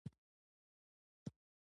بوټونه د فلمي ستورو د فیشن برخه وي.